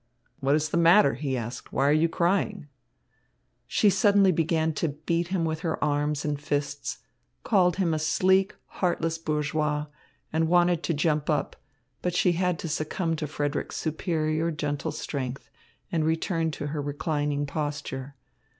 "What is the matter?" he asked. "Why are you crying?" She suddenly began to beat him with her arms and fists, called him a sleek, heartless bourgeois, and wanted to jump up; but she had to succumb to Frederick's superior, gentle strength and return to her reclining posture.